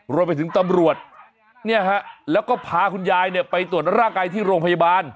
รวมไปถึงตำรวจแล้วก็พาคุณยายไปตรวจร่างกายที่โรงพยาบาล